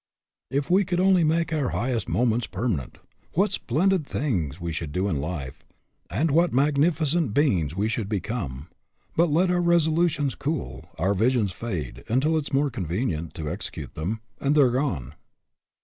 // we could only make our highest moments permanent, what splendid things we should do in life, and what magnificent beings we should ii6 AN OVERMASTERING PURPOSE become; but we let our resolutions cool, our visions fade until it is more convenient to execute them, and they are gone.